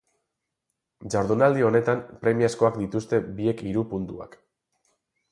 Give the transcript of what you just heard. Jardunaldi honetan premiazkoak dituzte biek hiru puntuak.